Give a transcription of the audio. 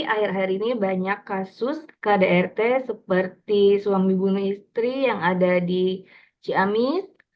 akhir akhir ini banyak kasus kdrt seperti suami ibu dan istri yang ada di ciamis